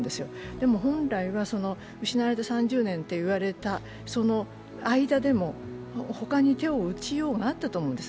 でも本来は失われた３０年っていわれたその間でも、ほかに手の打ちようがあったと思うんです。